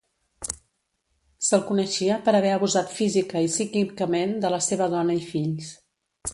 S'el coneixia per haver abusat física i psíquicament de la seva dona i fills.